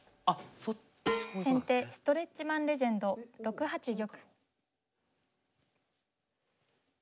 先手ストレッチマン・レジェンド６八玉。